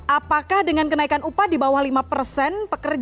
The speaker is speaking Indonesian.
apakah dengan kenaikan upah di bawah lima persen